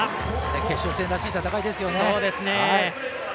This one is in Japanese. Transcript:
決勝戦らしい戦いですよね。